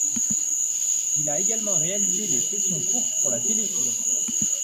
Il a également réalisé des fictions courtes pour la télévision.